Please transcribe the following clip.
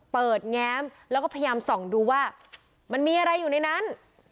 แง้มแล้วก็พยายามส่องดูว่ามันมีอะไรอยู่ในนั้น